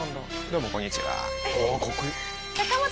どうもこんにちは。